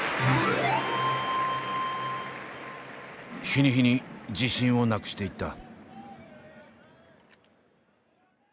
日に日に自信をなくしていった。